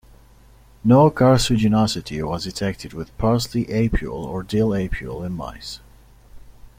No carcinogenicity was detected with parsley apiol or dill apiol in mice.